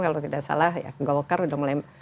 kalau tidak salah ya golkar sudah mulai